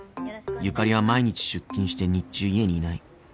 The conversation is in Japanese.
ゆかりは毎日出勤して日中家にいない］